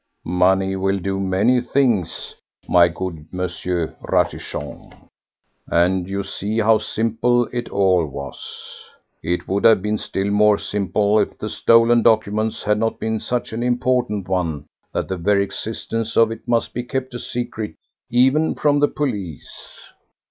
Money will do many things, my good M. Ratichon, and you see how simple it all was. It would have been still more simple if the stolen document had not been such an important one that the very existence of it must be kept a secret even from the police.